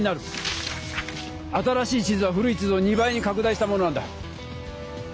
新しい地図は古い地図を２倍に拡大したものなんだ。